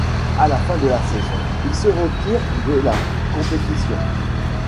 À la fin de la saison, il se retire de la compétition.